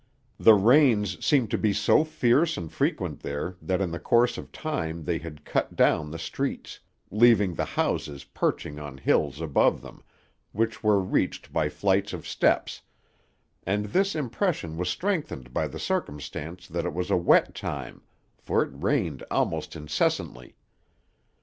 The rains seemed to be so fierce and frequent there that in the course of time they had cut down the streets, leaving the houses perching on hills above them, which were reached by flights of steps; and this impression was strengthened by the circumstance that it was a wet time, for it rained almost incessantly.